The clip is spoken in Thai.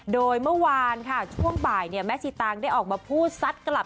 โดยเมื่อวานค่ะช่วงบ่ายแม่ชีตางได้ออกมาพูดซัดกลับ